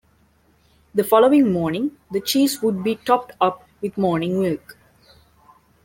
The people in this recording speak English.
The following morning, the cheese would be topped up with morning milk.